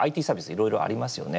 いろいろありますよね。